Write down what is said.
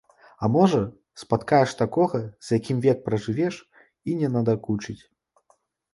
А можа, спаткаеш такога, з якім век пражывеш і не надакучыць.